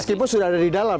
meskipun sudah ada di dalam